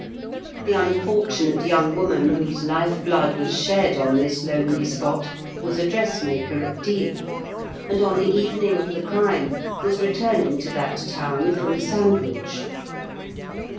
The unfortunate young woman whose life blood was shed on this lonely spot was a dress maker at Deal, and, on the evening of the crime, was returning to that town from Sand wich.